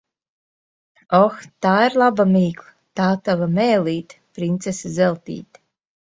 Oh, tā ir laba mīkla! Tā tava mēlīte, princese Zeltīte.